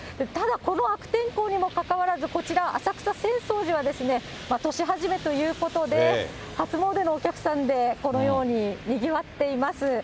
ただこの悪天候にもかかわらず、こちら、浅草・浅草寺は年初めということで、初詣のお客さんでこのようににぎわっています。